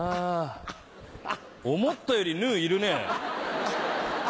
思ったよりヌーいるねえ？